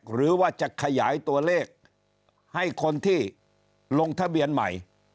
หรือว่าจะขยายตัวเลขให้คนที่ลงทะเบียนใหม่